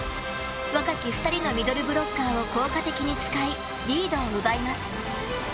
若き２人のミドルブロッカーを効果的に使いリードを奪います。